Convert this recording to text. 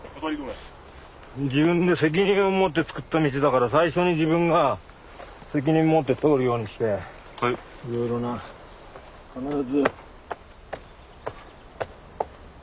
自分で責任を持って作った道だから最初に自分が責任持って通るようにしていろいろな必ず。